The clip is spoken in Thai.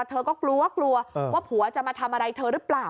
เธอก็กลัวกลัวว่าผัวจะมาทำอะไรเธอหรือเปล่า